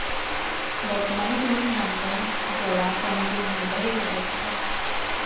বর্তমানে তিনি সুনামগঞ্জ জেলা কমিটির নির্বাহী সদস্য।